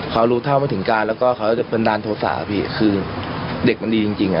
เขารู้เท่าไม่ถึงการแล้วก็เขาจะบันดาลโทษะพี่คือเด็กมันดีจริงจริงอ่ะ